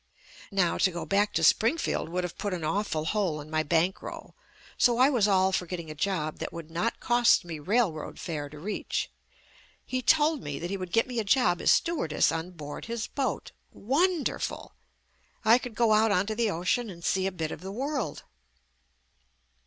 Now to go back to Springfield would have put an awful hole in my bankroll, so I was all for getting a job that would not cost me railroad fare to reach. He told me that he would get me a job as stewardess on board his boat. Wonderful! I could go out onto the ocean and see a bit of the world.